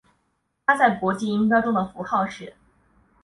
它在国际音标中的符号是。